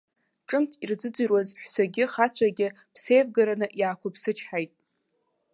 Ҿымҭ ирзыӡырҩуаз ҳәсагьы хацәагьы, ԥсеивгараны иаақәыԥсычҳаит.